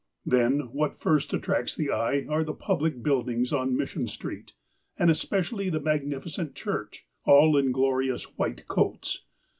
Then, what first attracts the eye are the public build ings on Mission Street, and especially the magnificent church, all in glorious white coats.